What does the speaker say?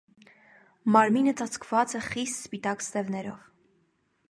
Մարմինը ծածկուած է խիտ սպիտակ ստեւներով։